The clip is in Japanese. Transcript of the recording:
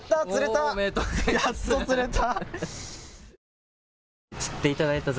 やっと釣れた！